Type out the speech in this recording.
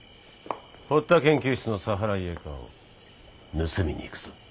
堀田研究室のサハライエカを盗みに行くぞ。